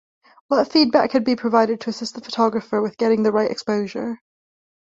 What feedback could be provided to assist the photographer with getting the right exposure?